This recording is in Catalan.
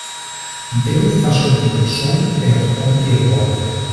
Déu fa sortir el sol per a tothom qui el vol.